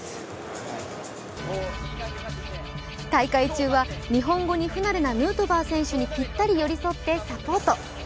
大会中は、日本語に不慣れなヌートバー選手にぴったり寄り添ってサポート。